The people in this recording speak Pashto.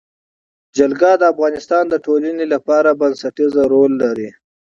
جلګه د افغانستان د ټولنې لپاره بنسټيز رول لري.